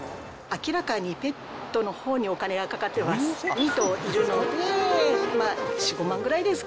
明らかにペットのほうにお金がかかってます。